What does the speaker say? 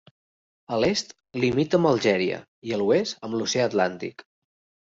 A l'est limita amb Algèria i a l'oest amb l'oceà Atlàntic.